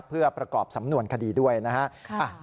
เพื่อประกอบสำนวนคดีด้วยนะฮะ